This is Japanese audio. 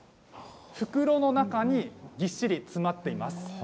袋の中にぎっしり詰まっています。